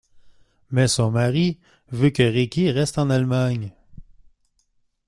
Mais son mari veut que Ricky reste en Allemagne.